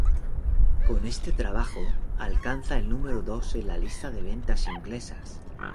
Con este trabajo alcanza el número dos en la lista de ventas inglesas.